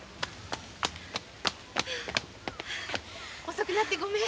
遅くなってごめん！